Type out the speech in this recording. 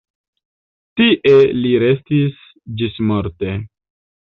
Tie li restis ĝismorte.